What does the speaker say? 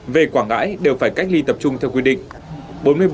về quảng ngãi đều phải cách ly tập trung theo quy định